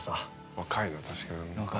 若いな確かに。